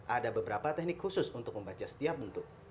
ada beberapa teknik khusus untuk membaca setiap bentuk